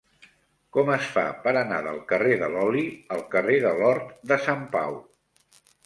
Com es fa per anar del carrer de l'Oli al carrer de l'Hort de Sant Pau?